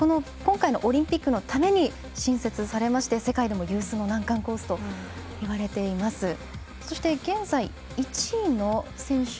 今回のオリンピックのために新設されまして世界でも有数の難関コースといわれています。